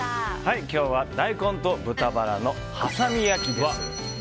今日は大根と豚バラのはさみ焼きです。